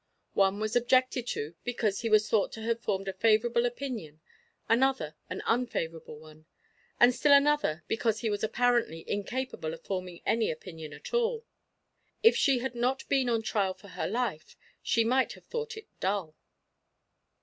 One was objected to because he was thought to have formed a favorable opinion, another an unfavorable one, and still another because he was apparently incapable of forming any opinion at all. If she had not been on trial for her life, she might have thought it dull.